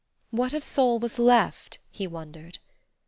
What of soul was left, he wondered